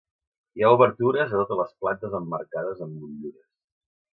Hi ha obertures a totes les plantes emmarcades amb motllures.